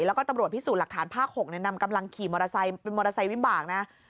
แล้วก็ตำรวจพิสูจน์หลักฐานภาค๖นำกำลังขี่มอเตอร์ไซค์เป็นมอเตอร์ไซค์วิบากนะ